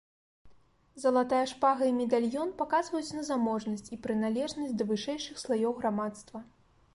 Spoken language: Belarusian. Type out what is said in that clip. Залатая шпага і медальён паказваюць на заможнасць і прыналежнасць да вышэйшых слаёў грамадства.